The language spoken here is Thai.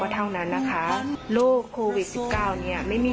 บางคนร้องไห้จนเราฟังสิ่งที่เธอพูดไม่ออกเลย